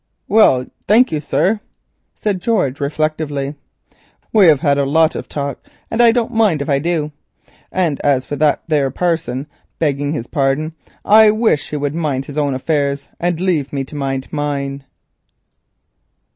"Well, thank you, sir," said George reflectively, "we hev had a lot of talk and I don't mind if I do, and as for that there parson, begging his pardon, I wish he would mind his own affairs and leave me to mind mine."